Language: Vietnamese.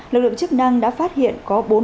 lực lượng chức năng đã phát hiện có bốn đối tượng